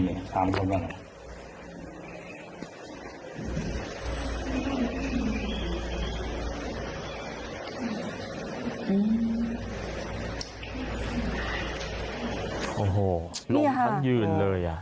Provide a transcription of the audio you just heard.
โอ้โหลงทันยืนเลย